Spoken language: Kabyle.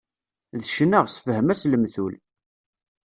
D ccna, sefhem-as lemtul.